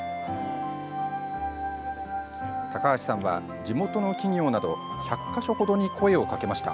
高橋さんは地元の企業など１００か所ほどに声をかけました。